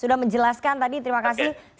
sudah menjelaskan tadi terima kasih